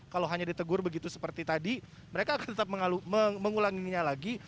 kalau hanya ditegur begitu seperti tadi mereka akan tetap mengulanginya lagi